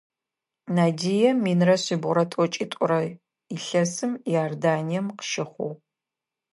Надия минрэ шъибгъурэ тӏокӏитӏурэ илъэсым Иорданием къыщыхъугъ.